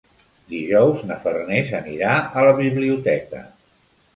Dijous na Farners anirà a la biblioteca.